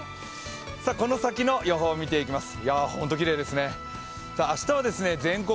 この先の予報を見ていきます。